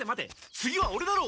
次はオレだろう！